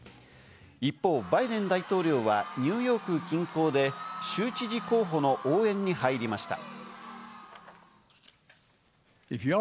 一方、バイデン大統領はニューヨーク近郊で州知事候補の応援に入りました。